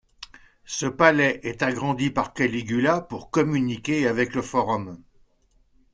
Ce palais est agrandi par Caligula pour communiquer avec le Forum.